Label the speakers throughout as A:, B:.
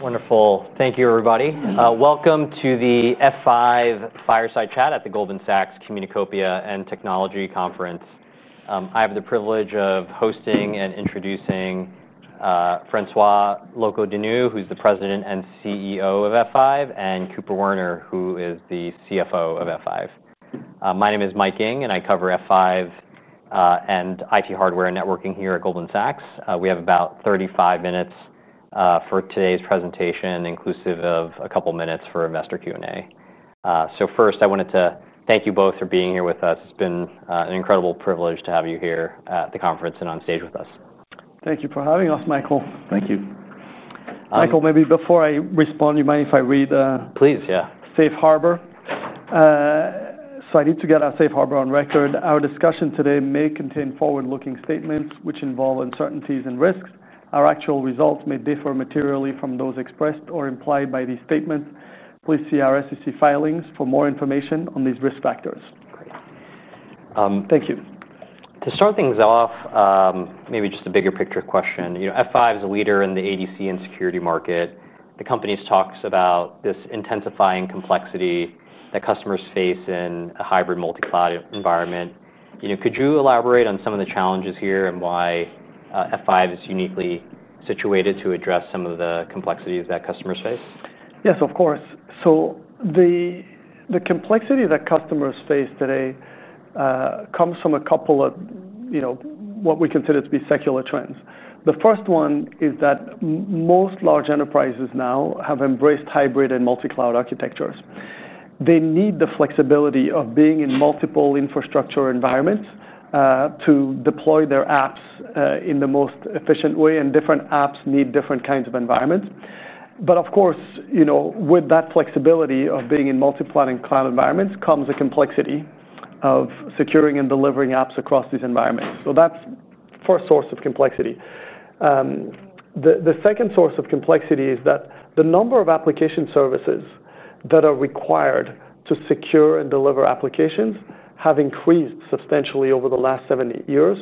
A: Wonderful. Thank you, everybody. Welcome to the F5 Fireside Chat at the Goldman Sachs Communacopia and Technology Conference. I have the privilege of hosting and introducing François Locoh-Donou, who's the President and CEO of F5, and Cooper Werner, who is the CFO of F5. My name is Mike Ng, and I cover F5 and IT hardware and networking here at Goldman Sachs. We have about 35 minutes for today's presentation, inclusive of a couple of minutes for a master Q&A. I wanted to thank you both for being here with us. It's been an incredible privilege to have you here at the conference and on stage with us.
B: Thank you for having us, Michael.
C: Thank you.
B: Michael, maybe before I respond, do you mind if I read?
A: Please, yeah.
B: Safe Harbor. I need to get our Safe Harbor on record. Our discussion today may contain forward-looking statements, which involve uncertainties and risks. Our actual results may differ materially from those expressed or implied by these statements. Please see our SEC filings for more information on these risk factors.
C: Thank you.
A: To start things off, maybe just a bigger picture question. F5 is a leader in the ADC and security market. The company talks about this intensifying complexity that customers face in a hybrid multi-cloud environment. Could you elaborate on some of the challenges here and why F5 is uniquely situated to address some of the complexities that customers face?
B: Yes, of course. The complexity that customers face today comes from a couple of what we consider to be secular trends. The first one is that most large enterprises now have embraced hybrid multi-cloud architectures. They need the flexibility of being in multiple infrastructure environments to deploy their apps in the most efficient way, and different apps need different kinds of environments. Of course, with that flexibility of being in multi-cloud environments comes the complexity of securing and delivering apps across these environments. That's the first source of complexity. The second source of complexity is that the number of application services that are required to secure and deliver applications has increased substantially over the last seven years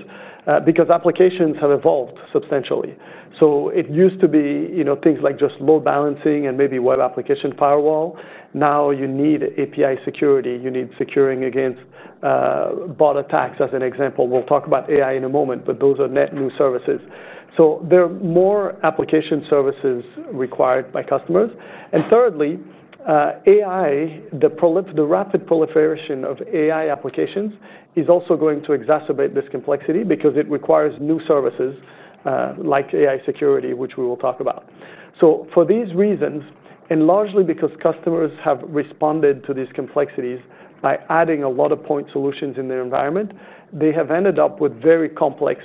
B: because applications have evolved substantially. It used to be things like just load balancing and maybe web application firewall. Now you need API security. You need securing against bot attacks, as an example. We'll talk about AI in a moment, but those are net new services. There are more application services required by customers. Thirdly, AI, the rapid proliferation of AI applications, is also going to exacerbate this complexity because it requires new services like AI security, which we will talk about. For these reasons, and largely because customers have responded to these complexities by adding a lot of point solutions in their environment, they have ended up with very complex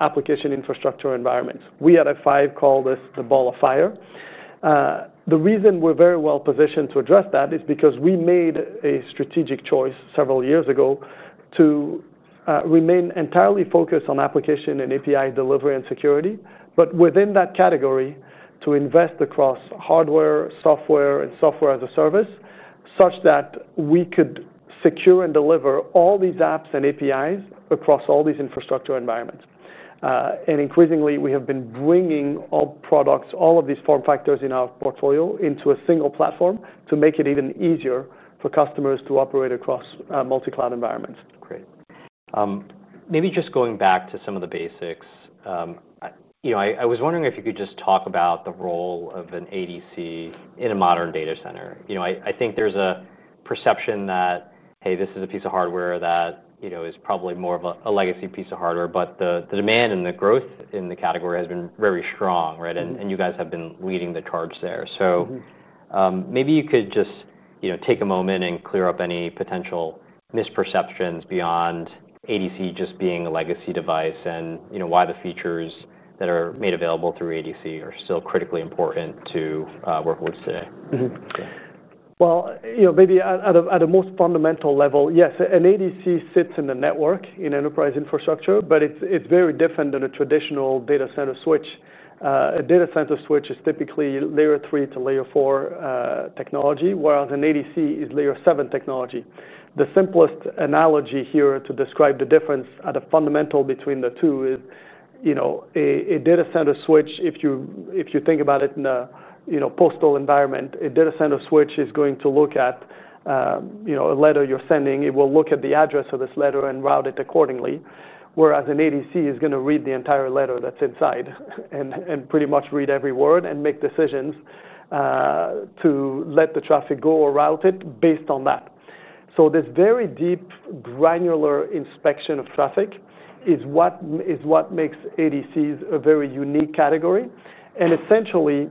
B: application infrastructure environments. We at F5 call this the ball of fire. The reason we're very well- positioned to address that is because we made a strategic choice several years ago to remain entirely focused on application and API delivery and security, but within that category, to invest across hardware, software, and software as a service, such that we could secure and deliver all these apps and APIs across all these infrastructure environments. Increasingly, we have been bringing all products, all of these form factors in our portfolio into a single platform to make it even easier for customers to operate across multi-cloud environments.
A: Great. Maybe just going back to some of the basics, I was wondering if you could just talk about the role of an ADC in a modern data center. I think there's a perception that, hey, this is a piece of hardware that is probably more of a legacy piece of hardware, but the demand and the growth in the category has been very strong, right? You guys have been leading the charge there. Maybe you could just take a moment and clear up any potential misperceptions beyond ADC just being a legacy device and why the features that are made available through ADC are still critically important to workloads today.
B: At a most fundamental level, yes, an ADC sits in the network in enterprise infrastructure, but it's very different than a traditional data center switch. A data center switch is typically layer three to layer four technology, whereas an ADC is layer seven technology. The simplest analogy here to describe the difference at a fundamental between the two is a data center switch. If you think about it in a postal environment, a data center switch is going to look at a letter you're sending. It will look at the address of this letter and route it accordingly, whereas an ADC is going to read the entire letter that's inside and pretty much read every word and make decisions to let the traffic go or route it based on that. This very deep, granular inspection of traffic is what makes ADCs a very unique category. Essentially,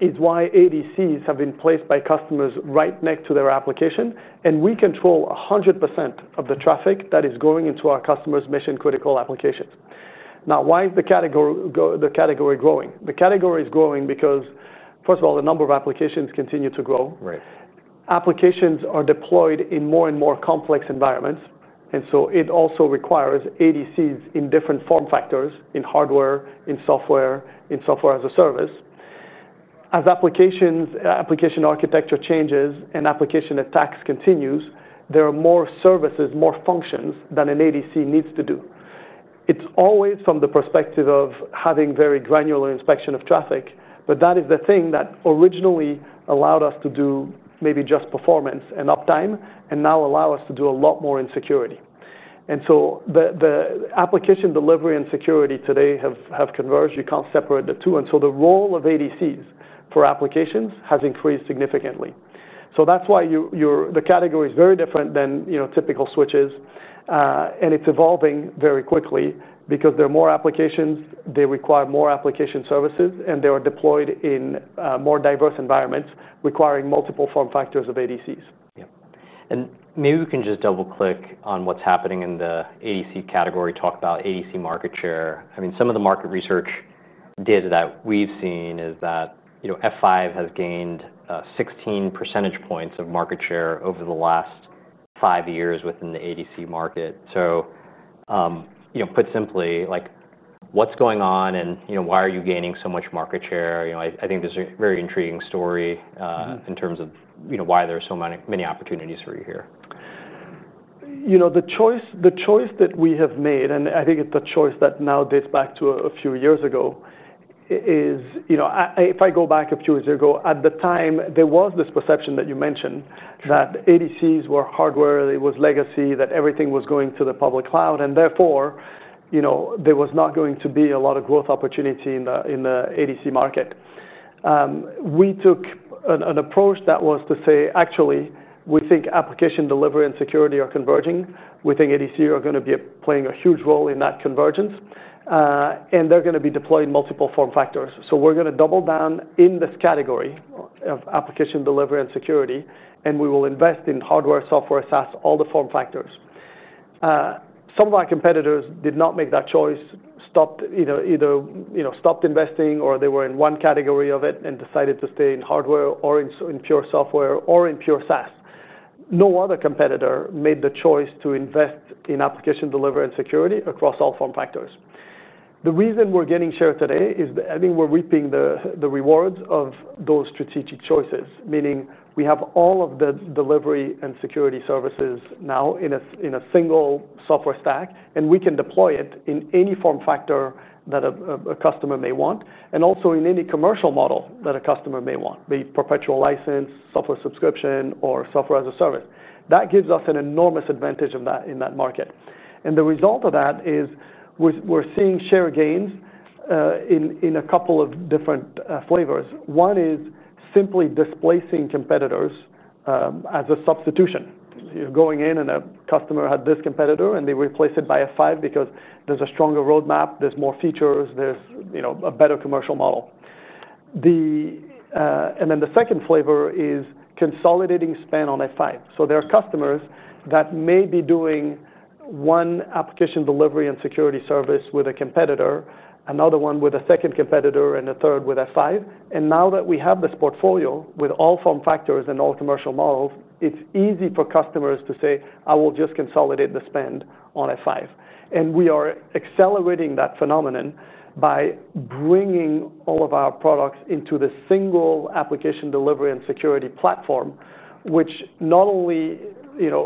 B: it's why ADCs have been placed by customers right next to their application, and we control 100% of the traffic that is going into our customers' mission-critical applications. Why is the category growing? The category is growing because, first of all, the number of applications continues to grow. Applications are deployed in more and more complex environments, and it also requires ADCs in different form factors, in hardware, in software, in software as a service. As application architecture changes and application attacks continue, there are more services, more functions than an ADC needs to do. It's always from the perspective of having very granular inspection of traffic, but that is the thing that originally allowed us to do maybe just performance and uptime, and now allows us to do a lot more in security. The application delivery and security today have converged. You can't separate the two. The role of ADCs for applications has increased significantly. That's why the category is very different than typical switches, and it's evolving very quickly because there are more applications, they require more application services, and they are deployed in more diverse environments requiring multiple form factors of ADCs.
A: Maybe we can just double-click on what's happening in the ADC category, talk about ADC market share. Some of the market research data that we've seen is that F5 has gained 16 percentage points of market share over the last five years within the ADC market. Put simply, what's going on and why are you gaining so much market share? I think this is a very intriguing story in terms of why there are so many opportunities for you here.
B: The choice that we have made, and I think it's a choice that now dates back to a few years ago, is if I go back a few years ago, at the time, there was this perception that you mentioned that ADCs were hardware, it was legacy, that everything was going to the public cloud, and therefore, there was not going to be a lot of growth opportunity in the ADC market. We took an approach that was to say, actually, we think application delivery and security are converging. We think ADCs are going to be playing a huge role in that convergence, and they're going to be deployed in multiple form factors. We're going to double down in this category of application delivery and security, and we will invest in hardware, software, SaaS, all the form factors. Some of our competitors did not make that choice, stopped either investing, or they were in one category of it and decided to stay in hardware or in pure software or in pure SaaS. No other competitor made the choice to invest in application delivery and security across all form factors. The reason we're getting share today is that I think we're reaping the rewards of those strategic choices, meaning we have all of the delivery and security services now in a single software stack, and we can deploy it in any form factor that a customer may want, and also in any commercial model that a customer may want, be it perpetual license, software subscription, or software as a service. That gives us an enormous advantage in that market. The result of that is we're seeing share gains in a couple of different flavors. One is simply displacing competitors as a substitution. You're going in and a customer had this competitor, and they replace it by F5 because there's a stronger roadmap, there's more features, there's a better commercial model. The second flavor is consolidating spend on F5. There are customers that may be doing one application delivery and security service with a competitor, another one with a second competitor, and a third with F5. Now that we have this portfolio with all form factors and all commercial models, it's easy for customers to say, I will just consolidate the spend on F5. We are accelerating that phenomenon by bringing all of our products into the single application delivery and security platform, which not only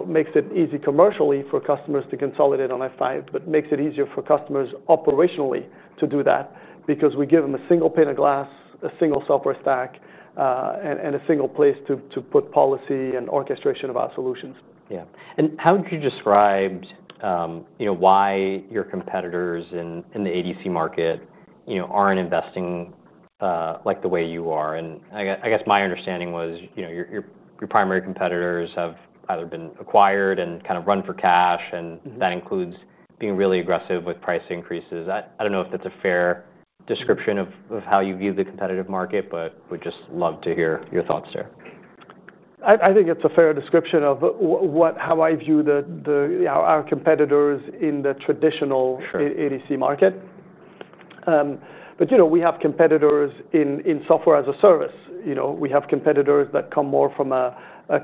B: makes it easy commercially for customers to consolidate on F5, but makes it easier for customers operationally to do that because we give them a single pane of glass, a single software stack, and a single place to put policy and orchestration of our solutions.
A: How would you describe why your competitors in the ADC market aren't investing like the way you are? My understanding was your primary competitors have either been acquired and kind of run for cash, and that includes being really aggressive with price increases. I don't know if that's a fair description of how you view the competitive market, but we'd just love to hear your thoughts there.
B: I think it's a fair description of how I view our competitors in the traditional ADC market. We have competitors in software as a service. We have competitors that come more from a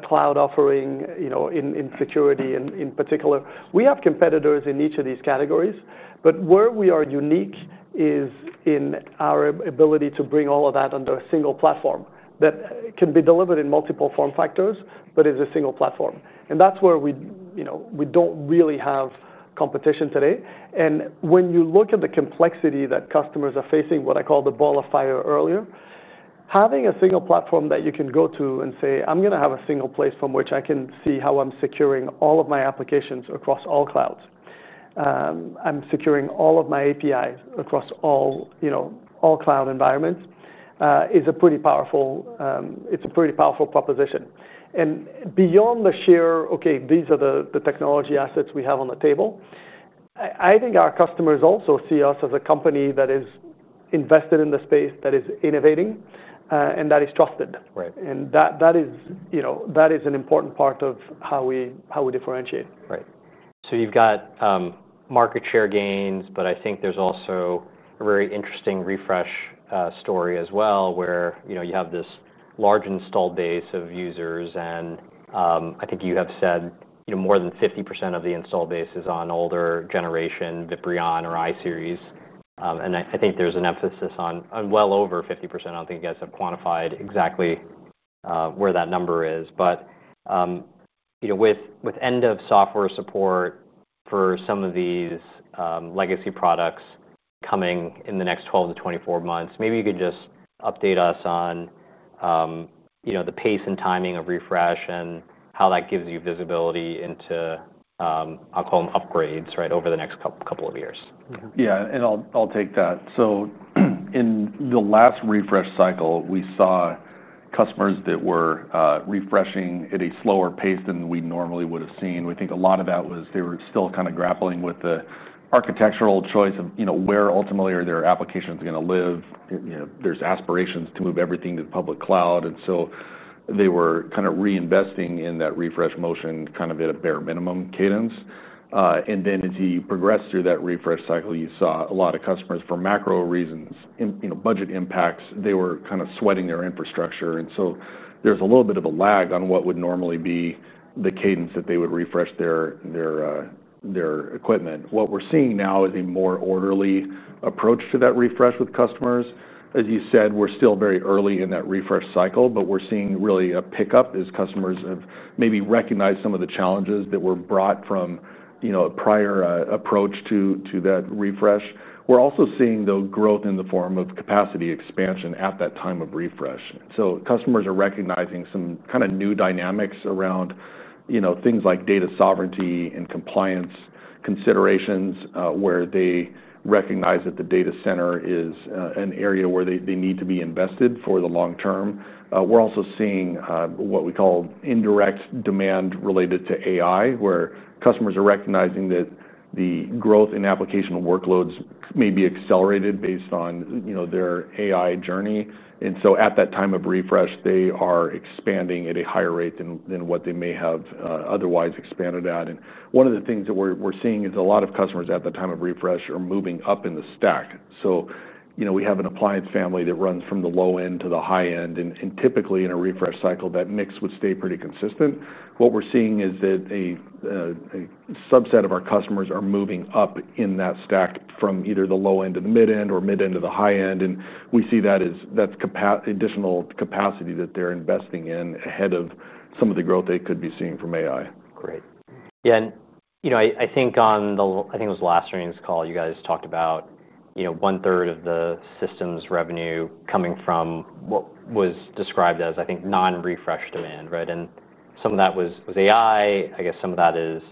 B: cloud offering in security in particular. We have competitors in each of these categories, but where we are unique is in our ability to bring all of that under a single platform that can be delivered in multiple form factors, but it's a single platform. That's where we don't really have competition today. When you look at the complexity that customers are facing, what I called the ball of fire earlier, having a single platform that you can go to and say, I'm going to have a single place from which I can see how I'm securing all of my applications across all clouds, I'm securing all of my APIs across all cloud environments is a pretty powerful proposition. Beyond the sheer, OK, these are the technology assets we have on the table, I think our customers also see us as a company that is invested in the space, that is innovating, and that is trusted. That is an important part of how we differentiate.
A: Right. You've got market share gains, but I think there's also a very interesting refresh story as well, where you have this large installed base of users. I think you have said more than 50% of the installed base is on older generation VIPRION or iSeries, and I think there's an emphasis on well over 50%. I don't think you guys have quantified exactly where that number is. With end-of-software support for some of these legacy products coming in the next 12- 24 months, maybe you could just update us on the pace and timing of refresh and how that gives you visibility into, I'll call them, upgrades over the next couple of years.
C: Yeah, I'll take that. In the last refresh cycle, we saw customers that were refreshing at a slower pace than we normally would have seen. We think a lot of that was they were still kind of grappling with the architectural choice of where ultimately are their applications going to live. There's aspirations to move everything to the public cloud, so they were kind of reinvesting in that refresh motion at a bare minimum cadence. As you progressed through that refresh cycle, you saw a lot of customers, for macro reasons and budget impacts, sweating their infrastructure. There's a little bit of a lag on what would normally be the cadence that they would refresh their equipment. What we're seeing now is a more orderly approach to that refresh with customers. As you said, we're still very early in that refresh cycle, but we're seeing really a pickup as customers have maybe recognized some of the challenges that were brought from a prior approach to that refresh. We're also seeing growth in the form of capacity expansion at that time of refresh. Customers are recognizing some kind of new dynamics around things like data sovereignty and compliance considerations, where they recognize that the data center is an area where they need to be invested for the long- term. We're also seeing what we call indirect demand related to AI, where customers are recognizing that the growth in application workloads may be accelerated based on their AI journey. At that time of refresh, they are expanding at a higher rate than what they may have otherwise expanded at. One of the things that we're seeing is a lot of customers at the time of refresh are moving up in the stack. We have an appliance family that runs from the low end to the high end. Typically, in a refresh cycle, that mix would stay pretty consistent. What we're seeing is that a subset of our customers are moving up in that stack from either the low end to the mid end or mid end to the high end. We see that as additional capacity that they're investing in ahead of some of the growth they could be seeing from AI.
A: Great. I think on the, I think it was last year's call, you guys talked about 1/3 of the systems revenue coming from what was described as, I think, non-refresh demand, right? Some of that was AI. I guess some of that is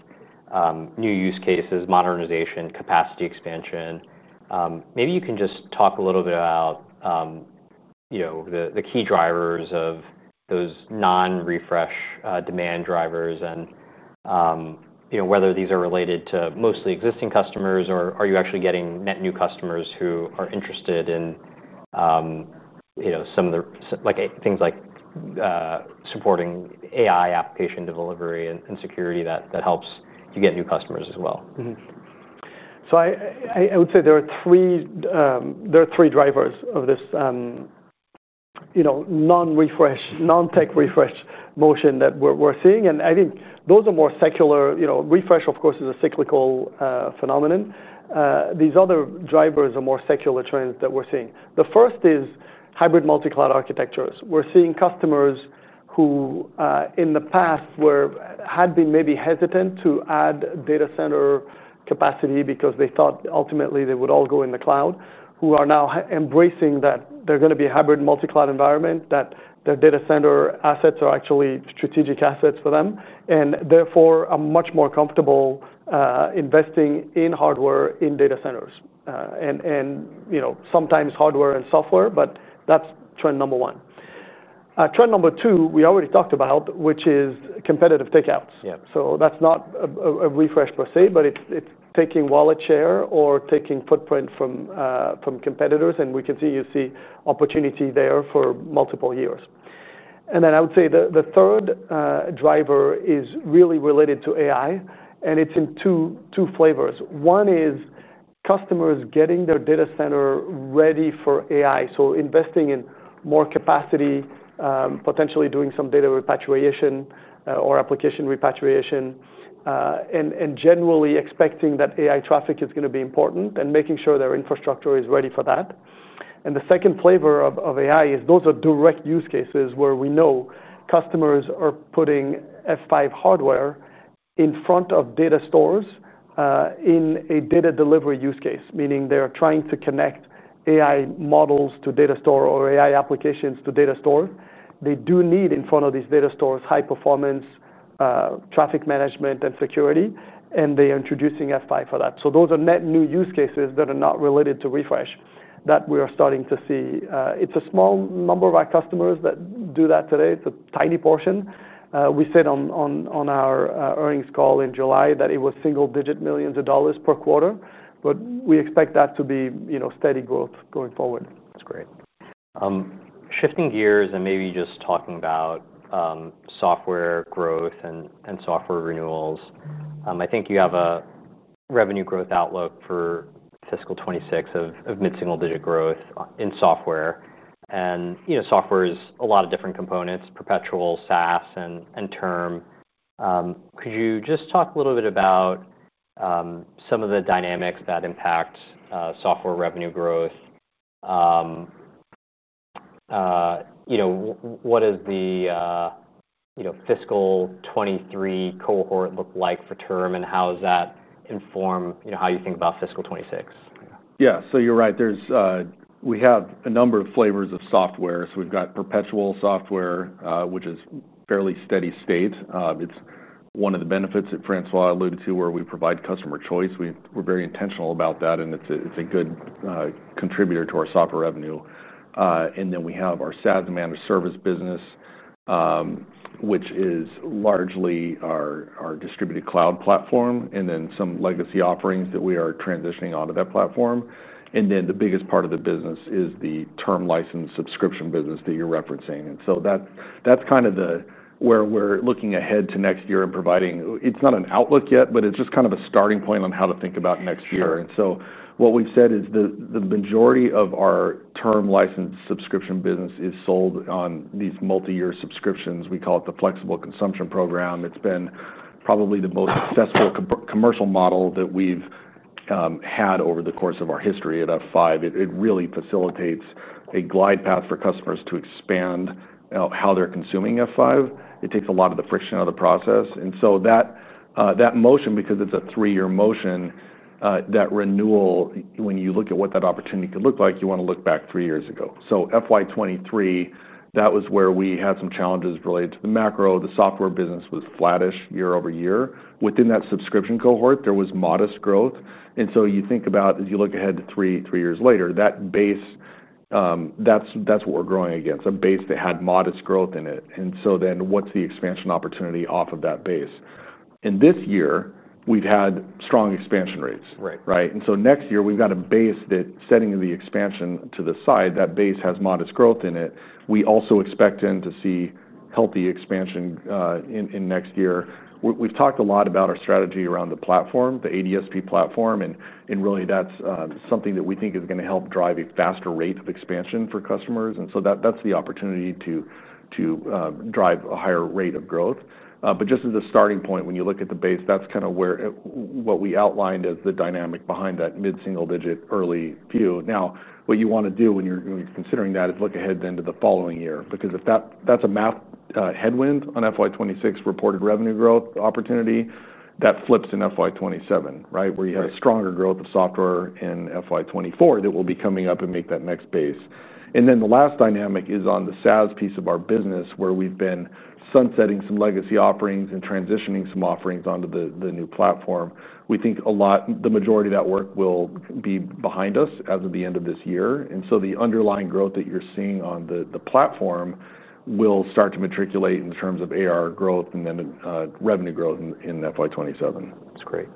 A: new use cases, modernization, capacity expansion. Maybe you can just talk a little bit about the key drivers of those non-refresh demand drivers and whether these are related to mostly existing customers or are you actually getting net new customers who are interested in some of the things like supporting AI application delivery and security that helps you get new customers as well.
B: I would say there are three drivers of this non-refresh, non-tech refresh motion that we're seeing. I think those are more secular. Refresh, of course, is a cyclical phenomenon. These other drivers are more secular trends that we're seeing. The first is hybrid multi-cloud architectures. We're seeing customers who in the past had been maybe hesitant to add data center capacity because they thought ultimately they would all go in the cloud, who are now embracing that they're going to be a hybrid multi-cloud environment, that their data center assets are actually strategic assets for them, and therefore are much more comfortable investing in hardware in data centers. Sometimes hardware and software, but that's trend number one. Trend number two, we already talked about, which is competitive takeouts. That's not a refresh per se, but it's taking wallet share or taking footprint from competitors. We can see you see opportunity there for multiple years. I would say the third driver is really related to AI, and it's in two flavors. One is customers getting their data center ready for AI, investing in more capacity, potentially doing some data repatriation or application repatriation, and generally expecting that AI traffic is going to be important and making sure their infrastructure is ready for that. The second flavor of AI is those are direct use cases where we know customers are putting F5 hardware in front of data stores in a data delivery use case, meaning they're trying to connect AI models to data store or AI applications to data stores. They do need in front of these data stores high-performance traffic management and security, and they are introducing F5 for that. Those are net new use cases that are not related to refresh that we are starting to see. It's a small number of our customers that do that today. It's a tiny portion. We said on our earnings call in July that it was single-digit millions of dollars per quarter, but we expect that to be steady growth going forward.
A: That's great. Shifting gears and maybe just talking about software growth and software renewals, I think you have a revenue growth outlook for fiscal 2026 of mid-single-digit growth in software. And software is a lot of different components, perpetual, SaaS, and term. Could you just talk a little bit about some of the dynamics that impact software revenue growth? What does the fiscal 2023 cohort look like for term, and how does that inform how you think about fiscal 2026?
C: Yeah, you're right. We have a number of flavors of software. We've got perpetual software, which is a fairly steady state. It's one of the benefits that François alluded to, where we provide customer choice. We're very intentional about that, and it's a good contributor to our software revenue. We have our SaaS and managed service business, which is largely our distributed cloud platform, and then some legacy offerings that we are transitioning onto that platform. The biggest part of the business is the term license subscription business that you're referencing. That's kind of where we're looking ahead to next year and providing, it's not an outlook yet, but it's just kind of a starting point on how to think about next year. What we've said is the majority of our term license subscription business is sold on these multi-year subscriptions. We call it the flexible consumption program. It's been probably the most successful commercial model that we've had over the course of our history at F5. It really facilitates a glide path for customers to expand how they're consuming F5. It takes a lot of the friction out of the process. That motion, because it's a three-year motion, that renewal, when you look at what that opportunity could look like, you want to look back three years ago. FY 2023, that was where we had some challenges related to the macro. The software business was flattish year- over- year. Within that subscription cohort, there was modest growth. As you look ahead to three years later, that base, that's what we're growing against, a base that had modest growth in it. What's the expansion opportunity off of that base? This year, we've had strong expansion rates. Next year, we've got a base that's setting the expansion to the side. That base has modest growth in it. We also expect to see healthy expansion in next year. We've talked a lot about our strategy around the platform, the ADSP platform, and really that's something that we think is going to help drive a faster rate of expansion for customers. That's the opportunity to drive a higher rate of growth. Just as a starting point, when you look at the base, that's kind of what we outlined as the dynamic behind that mid-single-digit early view. Now, what you want to do when you're considering that is look ahead then to the following year, because that's a math headwind on FY 2026 reported revenue growth opportunity that flips in FY 2027, where you had a stronger growth of software in FY 2024 that will be coming up and make that next base. The last dynamic is on the SaaS piece of our business, where we've been sunsetting some legacy offerings and transitioning some offerings onto the new platform. We think the majority of that work will be behind us as of the end of this year. The underlying growth that you're seeing on the platform will start to matriculate in terms of ARR growth and then revenue growth in FY 2027.
A: That's great.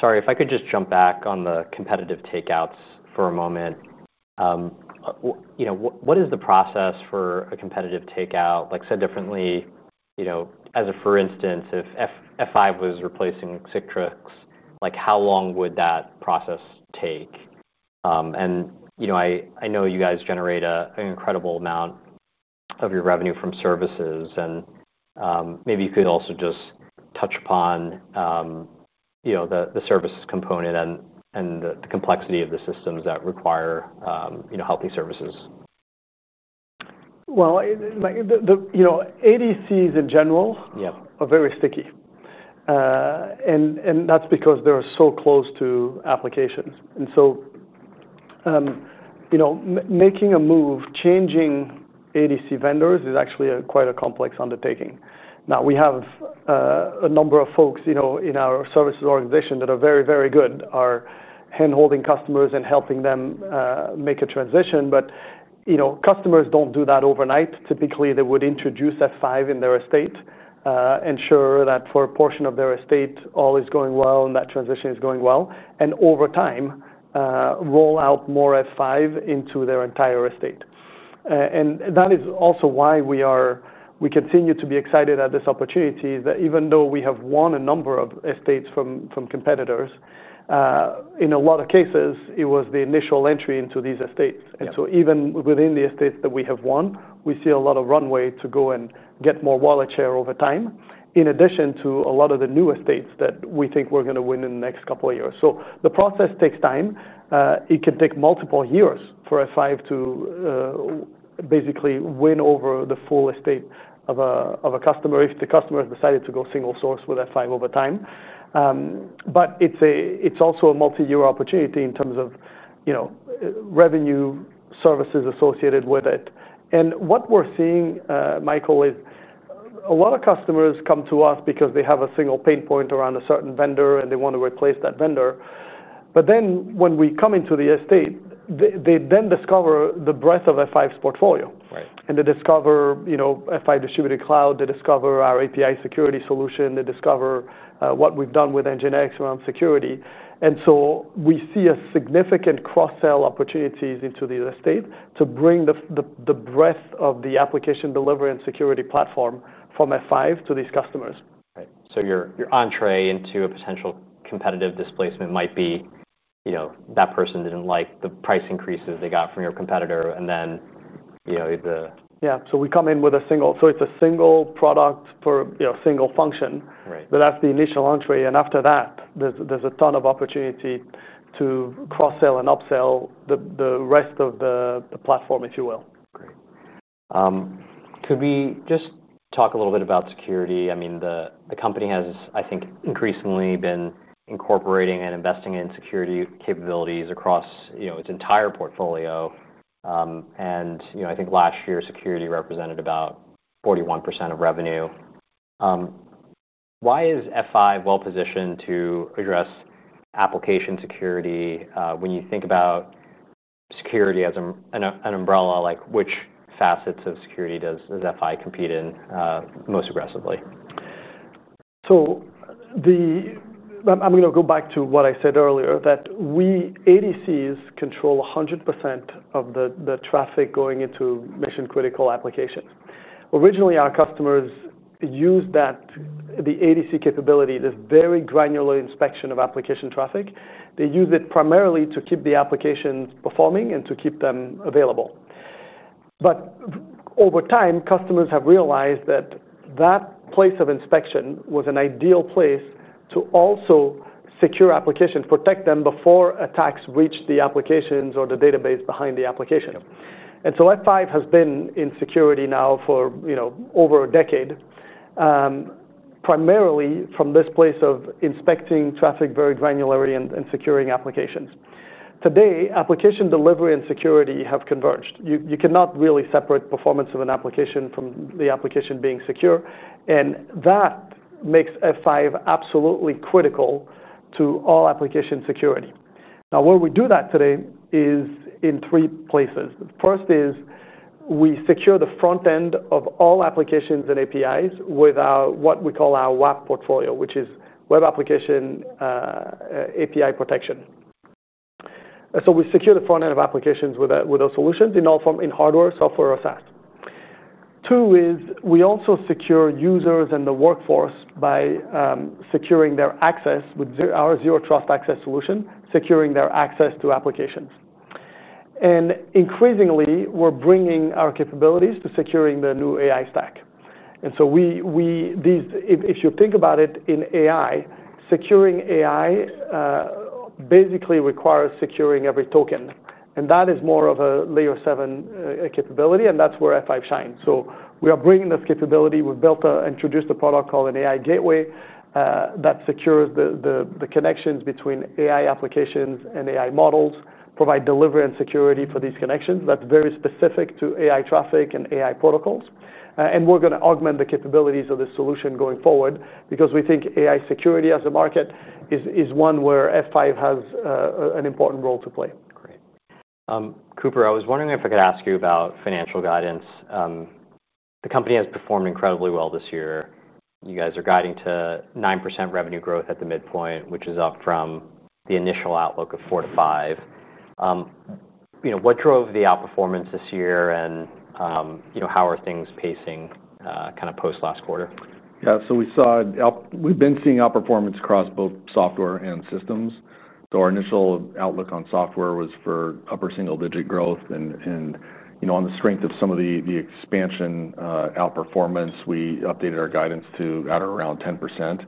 A: Sorry, if I could just jump back on the competitive takeouts for a moment. What is the process for a competitive takeout? Like, said differently, as a for instance, if F5 was replacing Citrix, how long would that process take? I know you guys generate an incredible amount of your revenue from services, and maybe you could also just touch upon the service component and the complexity of the systems that require healthy services.
B: ADCs in general are very sticky, and that's because they're so close to applications. Making a move, changing ADC vendors is actually quite a complex undertaking. We have a number of folks in our services organization that are very, very good, are hand-holding customers and helping them make a transition. Customers don't do that overnight. Typically, they would introduce F5 in their estate, ensure that for a portion of their estate, all is going well and that transition is going well, and over time, roll out more F5 into their entire estate. That is also why we continue to be excited at this opportunity, is that even though we have won a number of estates from competitors, in a lot of cases, it was the initial entry into these estates. Even within the estates that we have won, we see a lot of runway to go and get more wallet share over time, in addition to a lot of the new estates that we think we're going to win in the next couple of years. The process takes time. It could take multiple years for F5 to basically win over the full estate of a customer if the customer has decided to go single source with F5 over time. It's also a multi-year opportunity in terms of revenue services associated with it. What we're seeing, Michael, is a lot of customers come to us because they have a single pain point around a certain vendor and they want to replace that vendor. When we come into the estate, they then discover the breadth of F5's portfolio. They discover F5 Distributed Cloud, they discover our API security solution, they discover what we've done with NGINX around security. We see significant cross-sell opportunities into the estate to bring the breadth of the application delivery and security platform from F5 to these customers.
A: Right. Your entrée into a potential competitive displacement might be that person didn't like the price increases they got from your competitor, and then the...
B: We come in with a single product for a single function. That's the initial entrée. After that, there's a ton of opportunity to cross-sell and upsell the rest of the platform, if you will.
A: Great. Could we just talk a little bit about security? I mean, the company has, I think, increasingly been incorporating and investing in security capabilities across its entire portfolio. I think last year, security represented about 41% of revenue. Why is F5 well- positioned to address application security when you think about security as an umbrella? Which facets of security does F5 compete in most aggressively?
B: I'm going to go back to what I said earlier, that we, ADCs, control 100% of the traffic going into mission-critical applications. Originally, our customers used the ADC capability, this very granular inspection of application traffic. They used it primarily to keep the applications performing and to keep them available. Over time, customers have realized that that place of inspection was an ideal place to also secure applications, protect them before attacks reach the applications or the database behind the application. F5 has been in security now for over a decade, primarily from this place of inspecting traffic very granularly and securing applications. Today, application delivery and security have converged. You cannot really separate the performance of an application from the application being secure. That makes F5 absolutely critical to all application security. Now, where we do that today is in three places. The first is we secure the front end of all applications and APIs with what we call our WAAP portfolio, which is Web Application and API Protection. We secure the front end of applications with those solutions in all forms, in hardware, software, or SaaS. Two is we also secure users and the workforce by securing their access with our zero trust access solution, securing their access to applications. Increasingly, we're bringing our capabilities to securing the new AI stack. If you think about it in AI, securing AI basically requires securing every token. That is more of a layer seven capability, and that's where F5 shines. We are bringing this capability. We've built and introduced a product called an AI Gateway that secures the connections between AI applications and AI models, provides delivery and security for these connections. That's very specific to AI traffic and AI protocols. We're going to augment the capabilities of this solution going forward because we think AI security as a market is one where F5 has an important role to play.
A: Great. Cooper, I was wondering if I could ask you about financial guidance. The company has performed incredibly well this year. You guys are guiding to 9% revenue growth at the midpoint, which is up from the initial outlook of 4%- 5%. What drove the outperformance this year, and how are things pacing kind of post last quarter?
C: Yeah, we've been seeing outperformance across both software and systems. Our initial outlook on software was for upper single-digit growth. On the strength of some of the expansion outperformance, we updated our guidance to at or around 10%.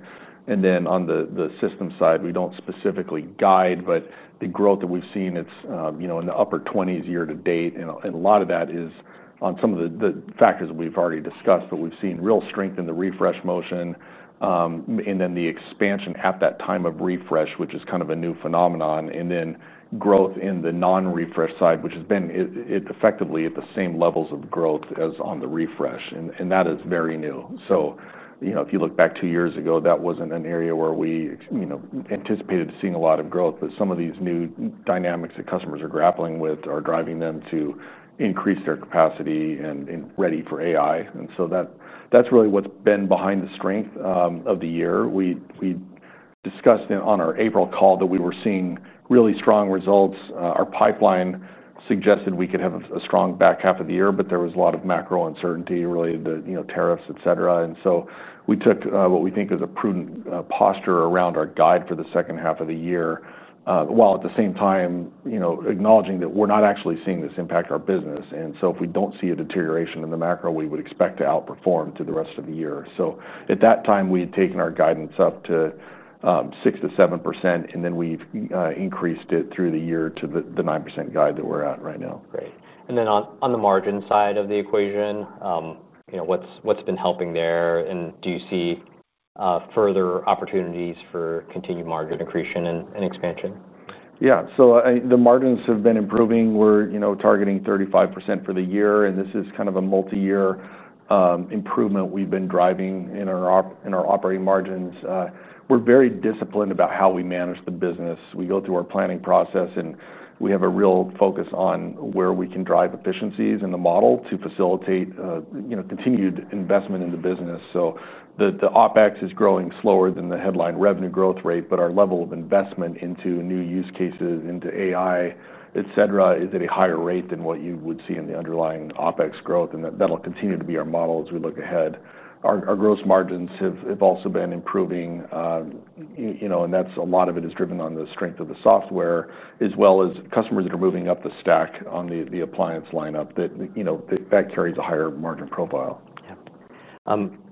C: On the system side, we don't specifically guide, but the growth that we've seen is in the upper 20% year to date. A lot of that is on some of the factors that we've already discussed. We've seen real strength in the refresh motion and the expansion at that time of refresh, which is kind of a new phenomenon. Growth in the non-refresh side has been effectively at the same levels of growth as on the refresh, and that is very new. If you look back two years ago, that wasn't an area where we anticipated seeing a lot of growth, but some of these new dynamics that customers are grappling with are driving them to increase their capacity and ready for AI. That's really what's been behind the strength of the year. We discussed on our April call that we were seeing really strong results. Our pipeline suggested we could have a strong back half of the year, but there was a lot of macro uncertainty related to tariffs, etc. We took what we think is a prudent posture around our guide for the second half of the year, while at the same time acknowledging that we're not actually seeing this impact our business. If we don't see a deterioration in the macro, we would expect to outperform the rest of the year. At that time, we had taken our guidance up to 6%- 7%, and we've increased it through the year to the 9% guide that we're at right now.
A: Great, on the margin side of the equation, what's been helping there, and do you see further opportunities for continued margin increasing and expansion?
C: Yeah, so the margins have been improving. We're targeting 35% for the year, and this is kind of a multi-year improvement we've been driving in our operating margins. We're very disciplined about how we manage the business. We go through our planning process, and we have a real focus on where we can drive efficiencies in the model to facilitate continued investment in the business. The OpEx is growing slower than the headline revenue growth rate, but our level of investment into new use cases, into AI, etc., is at a higher rate than what you would see in the underlying OpEx growth, and that'll continue to be our model as we look ahead. Our gross margins have also been improving, and a lot of it is driven on the strength of the software, as well as customers that are moving up the stack on the appliance lineup that carries a higher margin profile.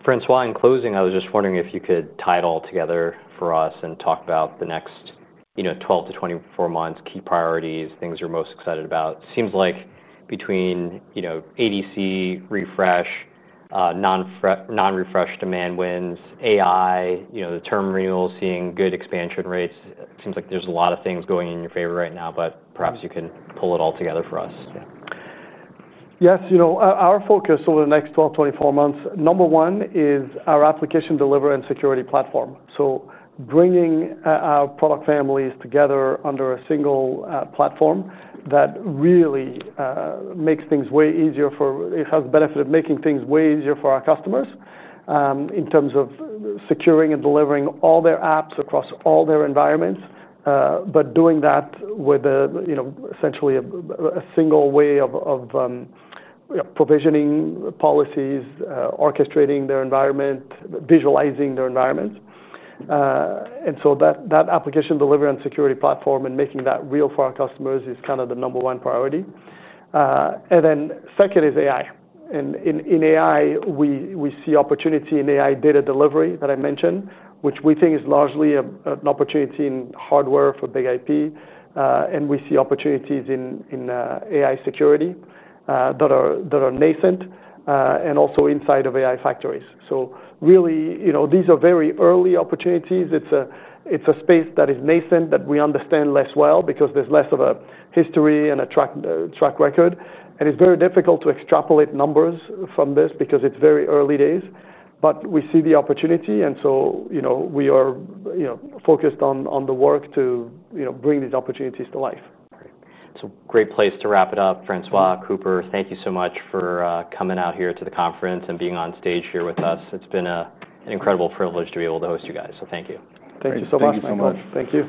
A: François, in closing, I was just wondering if you could tie it all together for us and talk about the next 12- 24 months, key priorities, things you're most excited about. It seems like between ADC, refresh, non-refresh demand wins, AI, the term renewals, seeing good expansion rates, it seems like there's a lot of things going in your favor right now, but perhaps you can pull it all together for us.
B: Yes, our focus over the next 12- 24 months, number one is our Application Delivery and Security Platform. Bringing our product families together under a single platform really makes things way easier for, it has the benefit of making things way easier for our customers in terms of securing and delivering all their apps across all their environments, but doing that with essentially a single way of provisioning policies, orchestrating their environment, visualizing their environments. That Application Delivery and Security Platform and making that real for our customers is kind of the number one priority. Second is AI. In AI, we see opportunity in AI data delivery that I mentioned, which we think is largely an opportunity in hardware for BIG-IP. We see opportunities in AI security that are nascent and also inside of AI factories. These are very early opportunities. It's a space that is nascent that we understand less well because there's less of a history and a track record. It's very difficult to extrapolate numbers from this because it's very early days, but we see the opportunity. We are focused on the work to bring these opportunities to life.
A: Great place to wrap it up. François, Cooper, thank you so much for coming out here to the conference and being on stage here with us. It's been an incredible privilege to be able to host you guys. Thank you.
B: Thank you so much.
C: Thank you so much.
B: Thank you.